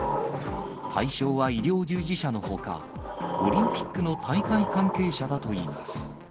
対象は医療従事者のほか、オリンピックの大会関係者だといいます。